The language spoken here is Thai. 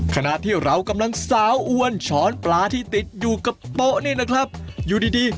ขณะที่เรากำลังสาวอ้วนช้อนปลาที่ติดอยู่กับโต๊ะนี่นะครับอยู่ดีดี